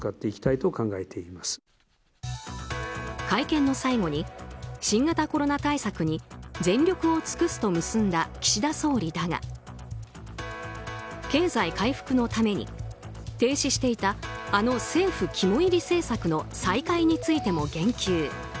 会見の最後に新型コロナ対策に全力を尽くすと結んだ岸田総理だが経済回復のために停止していたあの政府肝煎り政策の再開についても言及。